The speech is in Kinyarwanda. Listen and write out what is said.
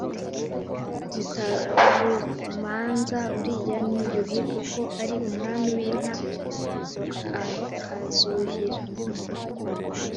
mutarumanza uriya ni yuhi, kuko ari umwami w’inka, akazuhira